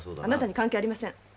あなたに関係ありません。